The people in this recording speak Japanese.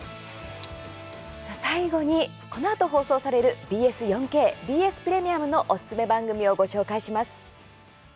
最後に、このあと放送されるＢＳ４Ｋ、ＢＳプレミアムのおすすめ番組をご紹介します。